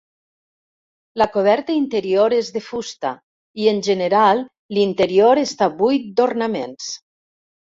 La coberta interior és de fusta i en general l'interior està buit d'ornaments.